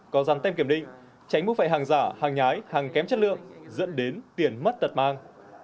có dàn tem kiểm định tránh bức phải hàng giả hàng nhái hàng kém chất lượng dẫn đến tiền mất đặt mang